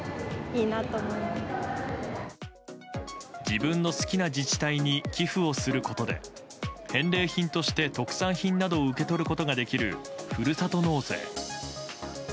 自分の好きな自治体に寄付をすることで返礼品として特産品などを受け取ることができるふるさと納税。